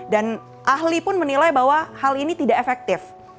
dan ahli pun menilai bahwa hal ini tidak efektif